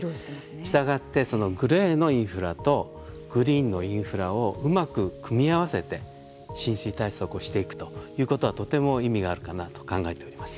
したがって、そのグレーのインフラとグリーンのインフラをうまく組み合わせて浸水対策をしていくということがとても意味があるかなと考えております。